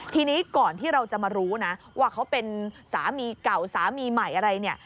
ทีนี้ก่อนที่เราจะมารู้นะว่าเขาเป็นสามีเก่าสามีใหม่อะไรเนี่ย